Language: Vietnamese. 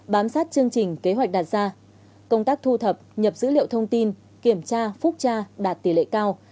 bám sát chương trình kế hoạch đạt ra công tác thu thập nhập dữ liệu thông tin kiểm tra phúc tra đạt tỷ lệ cao